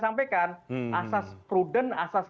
sampaikan asas prudent asas